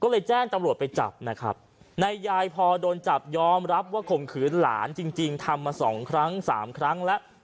ก็เลยแจ้งตำรวจไปจับนะครับนายยายพอโดนจับยอมรับว่าข่มขืนหลานจริงจริงทำมาสองครั้งสามครั้งแล้ว